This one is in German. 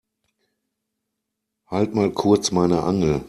Halt mal kurz meine Angel.